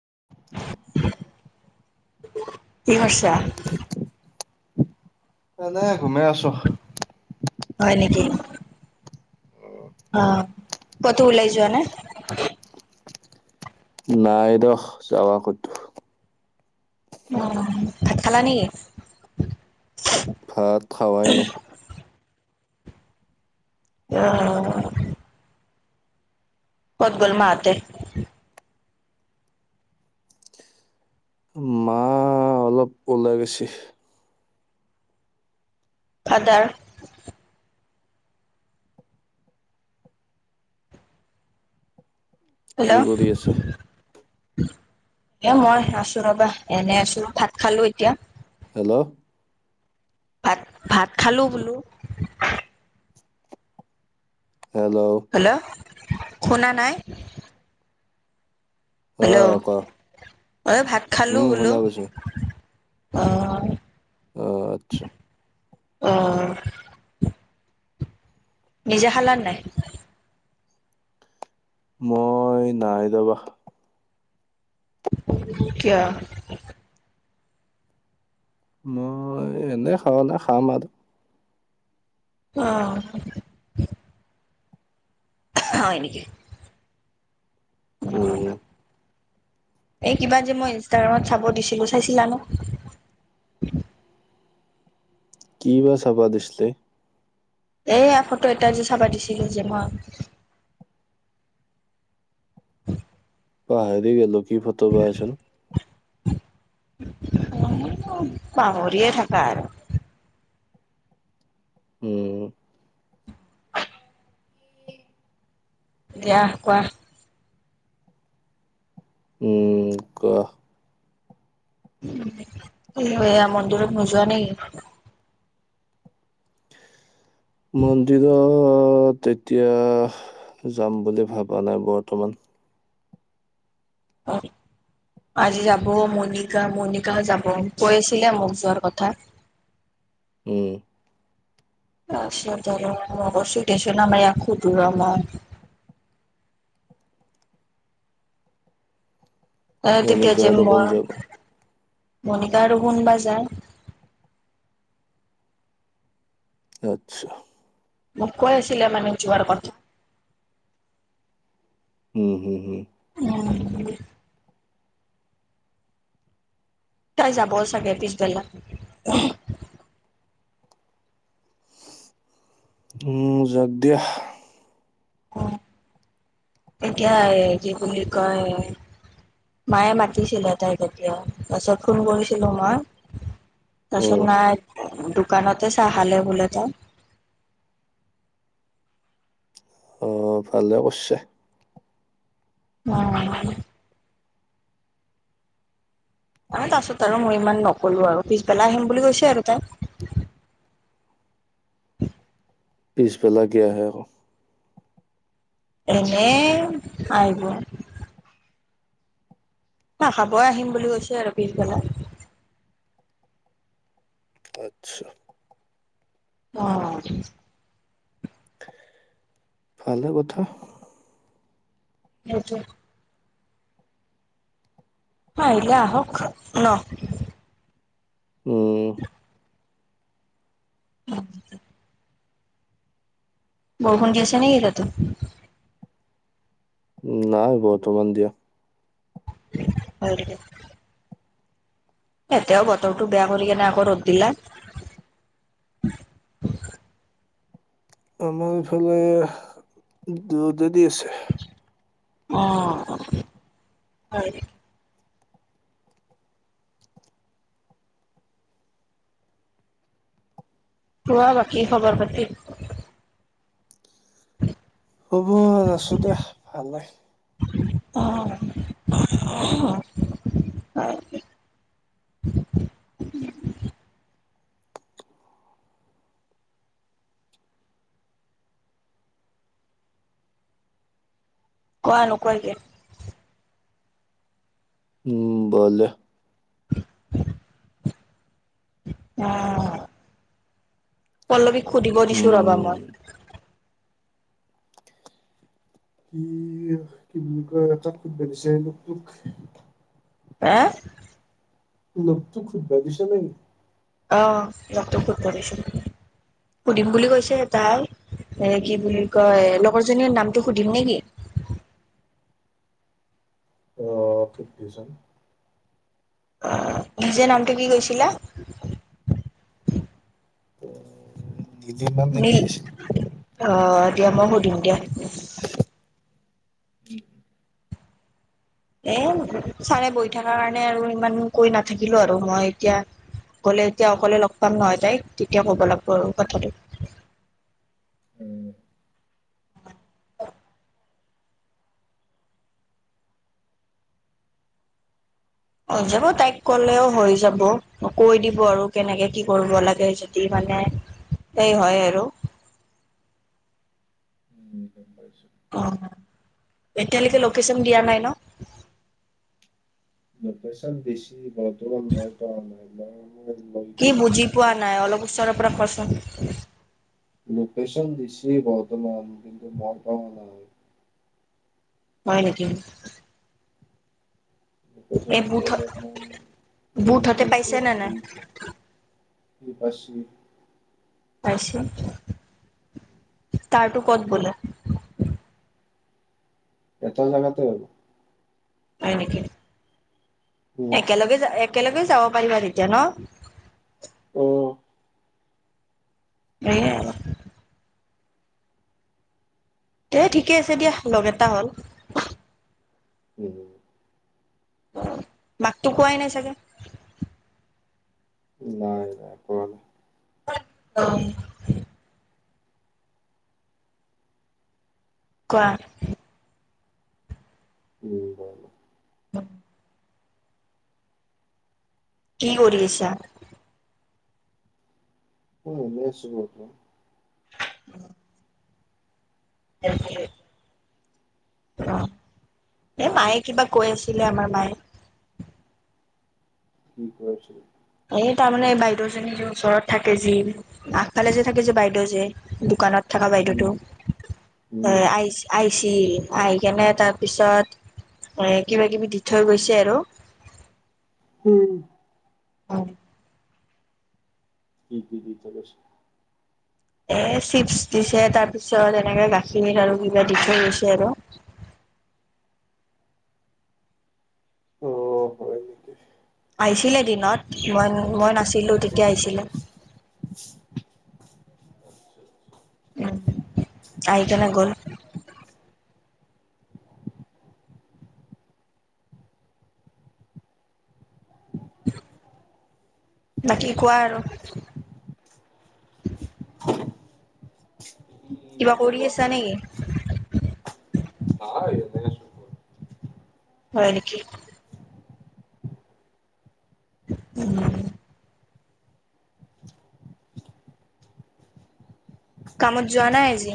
[inaudible] কি কৰিছা? এনে ঘুমাই আছো। হয় নেকি। অ কতো ওলাই যোৱা নাই। নাই ৰস যাবা ক'তো। উ ভাত খালা নেকি? ভাত খোৱাই নাই। আহ। কত গল মা হঁতে? মা অলপ ওলাই গৈছে। ফাদাৰ? হেল্ল'? কি কৰি আছে? এ মই আছো ৰবা এনে আছো ভাত খালো এতিয়া। হেল্ল' ভাত ভাত খালো বোলো। হেল্ল' শুনা নাই। অ হেল্ল'? ক অ ভাত খালো উম বোলো শুনা পাইছো অহ। অ আচ্ছা। অহ। নিজে খালা নে নাই? মই নাই দৱা। কিয়া? মই এনে খাৱা নাই খাম আৰ। অহ। অ এনেক উম এই কিবা যে মই ইনষ্টাগ্ৰামত চাব দিছিলো চাইছিলা ন [inaudible] কিবা চাবা দিছলি এইয়া ফটো এটা যে চাবা দিছিলো যে মই [inaudible] পাহৰি গলো কি ফটো বা আছিল পাহৰিয়ে থাকা আৰ উম দিয়া কোৱা উম ক এয়া মন্দিৰত নোযোৱা নেকি? মন্দিৰত অহ তেতিয়া যাম বুলি ভবা নাই বৰ্তমান হয় আজি যাব মনিকা মণিকাও যাব কৈছিলে মোক যোৱাৰ কথা [inaudible] উম [unintelligible] এ তেতিয়া মনিকা যে আৰু কোন মই যাব? মণিকা আৰু কোনবা যায়। আচ্ছা মোক কৈ আছিলে মানে যোৱাৰ কথা উম হুম হুম উম তাই যাব চাগে পিছবেলা উম যাক দিয়া অ এতিয়া কি বুলি কয় মায়ে মাতিছিলে তাইক তেতিয়া তাৰপিছত ফোন কৰিছিলো মই পাছত উম, নাই দোকানত চাহ খালে বলে তাই অহ ভালে কৰছে উ ত তাৰছত আৰু মই ইমান নকলো আৰু পিছবেলা আহিম বুলি কৈছে আৰু তাই পিছ বেল কিয় আহে এনেই আহিব [inaudible] খাবই আহিম বুলি কৈছে আৰু পিছবেলা [inaudible] আচ্ছা [inaudible] অ [inaudible] ফালে কথা সেইটোয়ে অহ আহিলে আহক ন [inaudible] উম উ [unintelligible] নাই বহতোমান দিয়া অ [inaudible] এতিয়াও বতৰটো বেয়া কৰি কিনে আকৌ ৰ'দ দিলে [inaudible] [unintelligible] আমাৰ ইফালে যদি অ হয় [inaudible] কোৱা বাকী খবৰ পাতি। খবৰ আছো দে ভালে। অ', [unintelligible] [unintelligible] কোৱা নোকোৱা কিয়। উম বলে [unintelligible] অ, পল্লৱীক সুধিব দিছো ৰবা উম। মই। কি কি বুলি কয় তাত [unintelligible] এ লগটোক সুধবা দিছো ৰ। অ, লগতোক সুধব্ দিছো, সুধিম বুলি কৈছে এ তাই কি বুলি কয় লগৰজনীৰ নামটো সুধিম নেকি? অ, সুধবি চোন। নিজে নামটো কি কৈছিলা। [unintelligible] নে কি নীল আছিল? অ', দিয়া মই সুধিম দিয়া। [unintelligible] এ ছাৰে বহি থকা কাৰণে আৰু ইমান কৈ নাথাকিলো আৰু মই এতিয়া গ'লে এতিয়া অকলে লগ পাম নহয় তাই তেতিয়া ক'ব লাগব কথাটো। উম। অ হৈ যাব তাইক কলেও হৈ যাব কৈ দিব আৰু কেনেকে কি কৰিব লাগে যদি মানে সেই হয় আৰু। অ, এতিয়ালৈকে লোকেশচন দিয়া নাই ন। লোকেশ্যন দিছি বৰ্তমান মই পোৱা নাই না। কি বুজি পোৱা নাই, অলপ ওচৰৰ পৰা কোৱাচোন। লোকেশন দিছি বৰ্তমান, কিন্তু মই পোৱা নাই। হয় নেকি? এই লোকেশ্যনটো বুথ অলপ মান বুথতে ডেৰিকে পাইছে নে নাই [unintelligible] [unintelligible] পাইছে তাৰটো ক'ত বোলে। এটা জাগাতে আৰু। হয় নেকি? উম একেলগে যা এক একেলগে যাব পাৰিবা তেতিয়া ন। অ'। সেয়ে আৰু। এ ঠিকে আছে দিয়া লগ এটা হ'ল। উম। মাকতো কোৱাই নাই চাগে। নাই নাই কম। অ'। কোৱা। উম হয়। [unintelligible] কি কৰি আছা। মই এনে আছো ৰ'বা। [unintelligible] অ, এই মায়ে কিবা কৈ আছিলে আমাৰ মায়ে। বাইছে এই তাৰমানে বাইদেউজনী যে ওচৰত থাকে যি আগফালে যে থাকে যে বাইদেউ যে দোকানত থাককা উম বাইদেউটোো উম আইচ আই চি আহি কেনে তাৰ পিছত এ কিবা কিবি দি থৈ গৈছে আৰু উম অ কি কি জ তল এ চিপচ দিছে তাৰ পিছত এনেকে গাখীৰ লাৰু কিবা দি থৈ গৈছে আৰু হয় অ নেকি আহিছিলে দিনত মই মই নাছিলোঁ তেতিয়া আহিছিলে উম আহই কেনে গ'ল বাকী কোৱা আৰু উম কিবা কৰি আছা নেকি হয় নেকি উম কামতজ নাইাইজি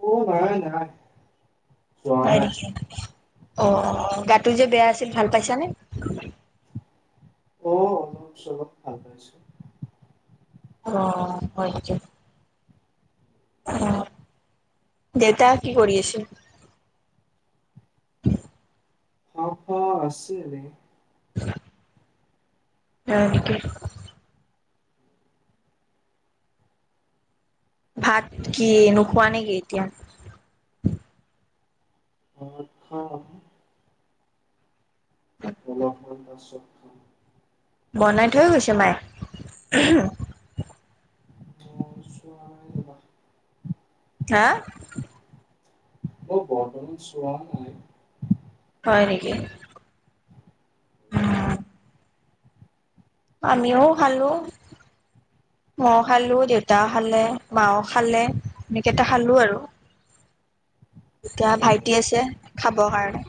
অ নহয় নহয় হয় নেকি অ গাটো যে বেয়া আছিল ভাল পাইছানে অ অলপ চলপ ভাল পাইছো আহ হয়কো অ দেউতা কি কৰি আছিল উ অ আছেৰে উ অকে ভাত কি নোখোৱা নেকি এতিয়া উ চ বনাই থৈ গৈছে মায়ে িবা হা ম বৰ্তমান চোৱাাই হয় নেকি আমিও ভালো মও খালো দেউতা খালে মাও খালে এনেকেইটা খালো আৰু এতিয়া ভাইটি আছে খাবৰ কাৰণে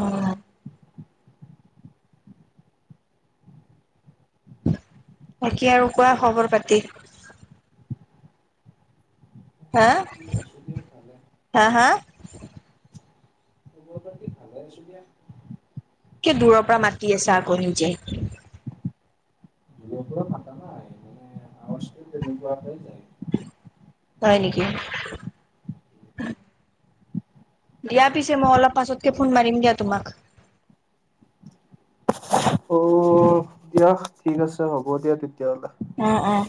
অ তে আৰু কোৱা খবৰ পাতি হা হা হা আ চুপিয়া কিয় দূৰৰ পৰা মাতি আছা আকৌ নিজে চেলবাকাই যায় হয় নেকি দিয়া পিছে মই অলপ পাছতকে ফোন মাৰিম দিয়া তোমাক অ দিয়া ঠিক আছে হ'ব দিয়া তেতিয়াহলে অ', অ'।